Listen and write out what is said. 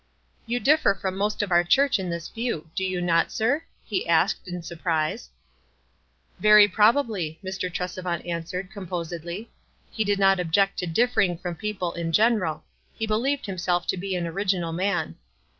"You differ from most of our church in this view. Do you not, sir?" he asked, in sur prise. "Very probably," Mr. Tresevaut answered, composedly. He did not object to differing from people in general ; he believed himself to be an original man.